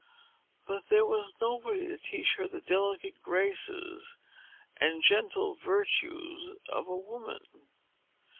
But there was nobody to teach her the delicate graces and gentle virtues of a woman.